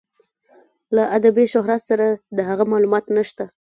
له ادبي شهرت سره د هغه معلومات نشته.